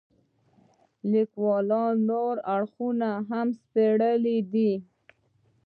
لیکوال نور اړخونه هم سپړلي دي.